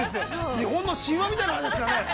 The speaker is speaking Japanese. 日本の神話みたいな感じですからね。